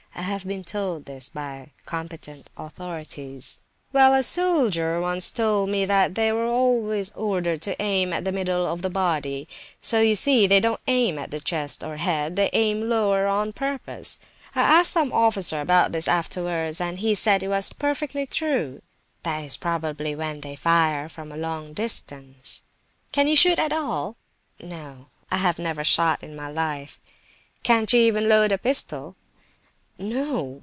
I have been told this by competent authorities." "Well, a soldier once told me that they were always ordered to aim at the middle of the body. So you see they don't aim at the chest or head; they aim lower on purpose. I asked some officer about this afterwards, and he said it was perfectly true." "That is probably when they fire from a long distance." "Can you shoot at all?" "No, I have never shot in my life." "Can't you even load a pistol?" "No!